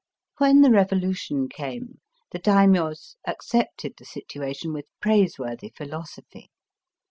When the revolution came, the Daimios accepted the situation with praiseworthy philosophy.